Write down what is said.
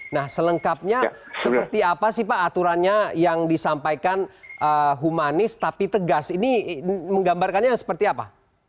nah selengkapnya seperti apa sih pak aturannya yang disampaikan humanis tapi tegas ini menggambarkannya seperti apa